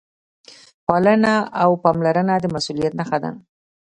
پالنه او پاملرنه د مسؤلیت نښه ده.